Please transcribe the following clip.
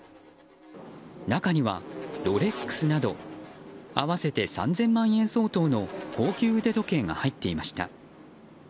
中にはロレックスなど合わせて３０００万円相当の高級腕時計が入っていました。